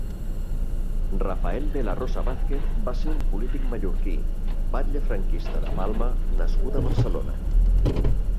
Rafael de la Rosa Vázquez va ser un polític mallorquí, batlle franquista de Palma nascut a Barcelona.